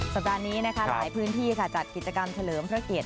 สัปดาห์นี้นะคะหลายพื้นที่จัดกิจกรรมเฉลิมพระเกียรติ